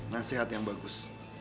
nasihat yang bagus